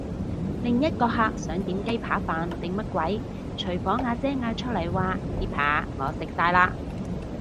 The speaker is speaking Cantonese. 另一個客想點雞扒飯定乜鬼，廚房阿姐嗌出嚟話啲扒我食晒嘞！